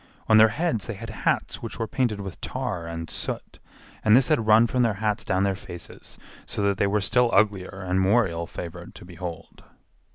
On their heads they had hats which were painted with tar and soot, and this had run from their hats down their faces, so that they were still uglier and more ill favored to behold.